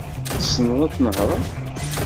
Tesneḍ ad tnehreḍ?